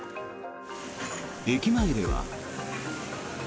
駅前では。